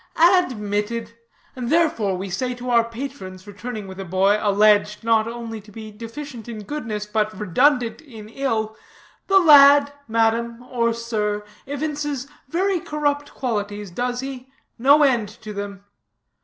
"Admitted. And, therefore, we say to our patrons returning with a boy alleged not only to be deficient in goodness, but redundant in ill: 'The lad, madam or sir, evinces very corrupt qualities, does he? No end to them.'